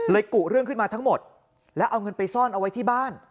กุเรื่องขึ้นมาทั้งหมดแล้วเอาเงินไปซ่อนเอาไว้ที่บ้าน